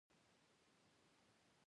وایي: په تعلیم او ساینس کې موږ مخکې یو.